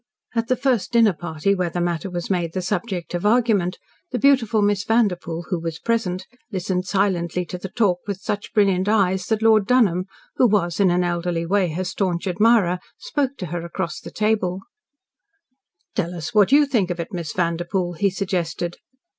At the first dinner party where the matter was made the subject of argument, the beautiful Miss Vanderpoel, who was present, listened silently to the talk with such brilliant eyes that Lord Dunholm, who was in an elderly way her staunch admirer, spoke to her across the table: "Tell us what YOU think of it, Miss Vanderpoel," he suggested.